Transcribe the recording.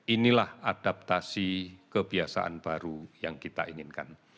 inilah adaptasi kebiasaan baru yang kita inginkan